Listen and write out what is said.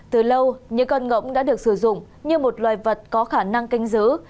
từ lâu những con ngỗng đã được sử dụng như một loài vật có khả năng canh giữ